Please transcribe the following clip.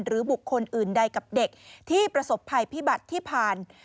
หรือบุคคลอื่นใดกับเด็กที่ประสบภัยพิบัติที่ผ่าน